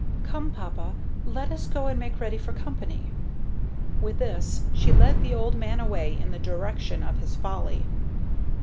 Come, papa, let us go and make ready for company." With this she led the old man away in the direction of his "Folly."